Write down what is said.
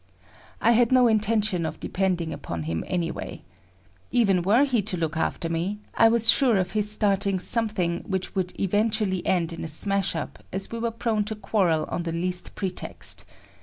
I had no intention of depending upon him anyway. Even were he to look after me, I was sure of his starting something which would eventually end in a smash up as we were prone to quarrel on the least pretext.